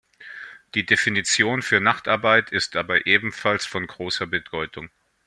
Die Definition für Nachtarbeit ist dabei ebenfalls von großer Bedeutung.